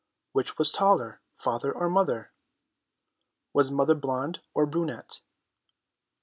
Which was taller, Father or Mother? Was Mother blonde or brunette?